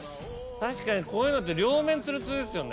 確かにこういうのって両面つるつるですよね。